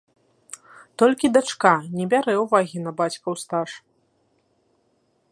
Толькі дачка не бярэ ўвагі на бацькаў стаж.